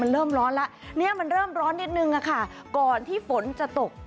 มันเริ่มร้อนแล้วมันเริ่มร้อนนิดนึงก่อนที่ฝนจะตก